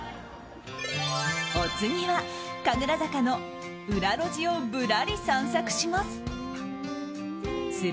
お次は、神楽坂の裏路地をぶらり散策します。